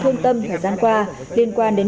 thương tâm thời gian qua liên quan đến